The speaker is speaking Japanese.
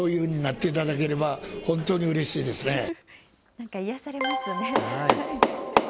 なんか癒やされますね。